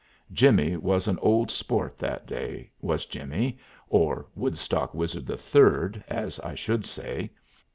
Jimmy was an old sport that day, was Jimmy, or Woodstock Wizard III, as I should say.